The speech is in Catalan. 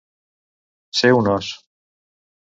Ser un os.